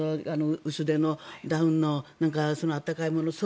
薄手のダウンの暖かいもの。